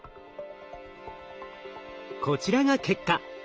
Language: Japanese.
こちらが結果。